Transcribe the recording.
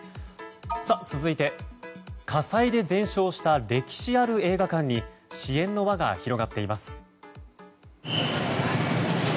続いて、火災で全焼した歴史ある映画館に支援の輪が広がっています。